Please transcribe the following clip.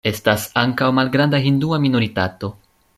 Estas ankaŭ malgranda hindua minoritato.